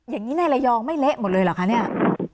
อย่างนี้ในระยองไม่เละหมดเลยเหรอคะเนี่ย